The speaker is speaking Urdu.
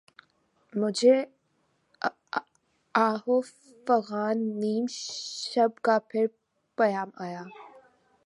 مجھے آہ و فغان نیم شب کا پھر پیام آیا